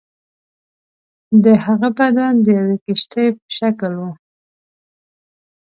د هغه بدن د یوې کښتۍ په شکل وو.